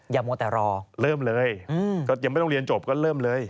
มัวแต่รอเริ่มเลยก็ยังไม่ต้องเรียนจบก็เริ่มเลย